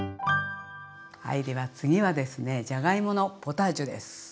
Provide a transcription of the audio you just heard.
はいでは次はですねじゃがいものポタージュです。